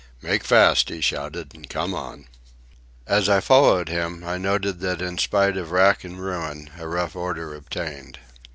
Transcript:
"Make fast!" he shouted. "And come on!" As I followed him, I noted that in spite of rack and ruin a rough order obtained.